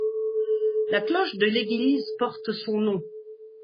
La cloche de l'église porte son nom.